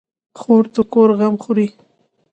خور د کور غم خوري.